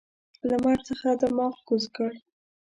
لمر څخه دماغ کوز کړ.